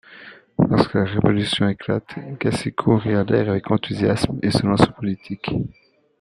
Lorsque la Révolution éclate, Gassicourt y adhère avec enthousiasme et se lance en politique.